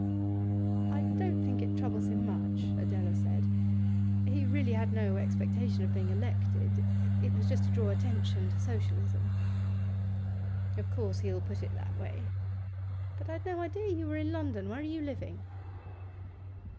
'I don't think it troubles him much,' Adela said; 'he really had no expectation of being elected. It was just to draw attention to Socialism.' 'Of course he'll put it in that way. But I'd no idea you were in London. Where are you living?